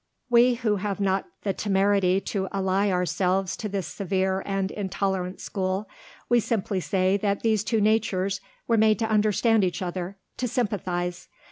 We who have not the temerity to ally ourselves to this severe and intolerant school, we simply say that these two natures were made to understand each other to sympathize.